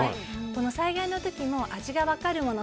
この災害の時も味が分かるもの